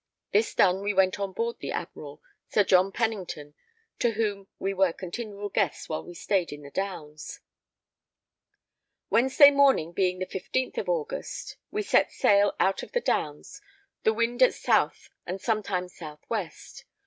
This done we went on board the Admiral, Sir John Pennington, to whom we were continual guests while we stayed in the Downs. Wednesday morning, being the 15th of August, we set sail out of the Downs, the wind at south and sometimes south west.